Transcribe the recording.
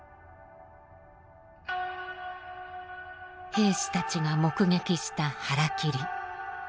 兵士たちが目撃した「ハラキリ」。